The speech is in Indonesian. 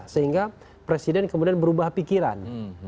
sehingga presiden kemudian berubah pikiran